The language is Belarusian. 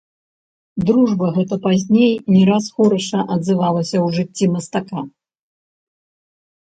Дружба гэта пазней не раз хораша адзывалася ў жыцці мастака.